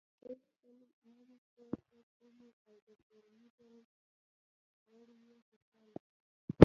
هغوی خپل نوی کور ته تللي او د کورنۍ ټول غړ یی خوشحاله دي